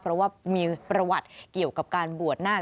เพราะว่ามีประวัติเกี่ยวกับการบวชนาค